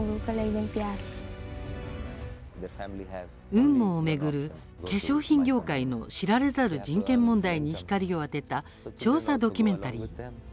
雲母を巡る化粧品業界の知られざる人権問題に光を当てた調査ドキュメンタリー。